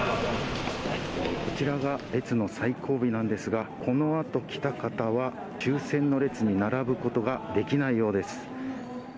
こちらが列の最後尾なんですが、このあと来た方は抽せんの列に並ぶことができないようです。